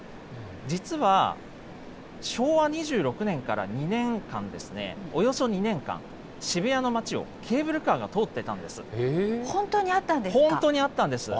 実は昭和２６年から２年間、およそ２年間、渋谷の街をケーブルカ本当にあったんですか。